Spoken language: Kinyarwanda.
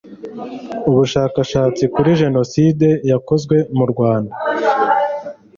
ubushaka shatsi kuri jeno side yakozwe mu rwanda